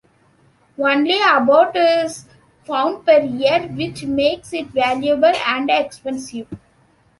Only about is found per year, which makes it valuable and expensive.